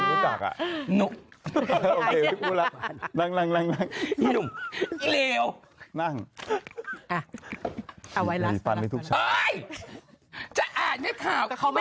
เขาก็ไม่ชอบไงเขาไม่ชอบ